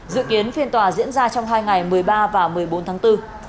dự kiến phiên tòa diễn ra trong hai ngày một mươi ba và một mươi bốn tháng bốn